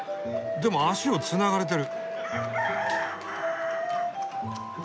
でも足をつながれてる。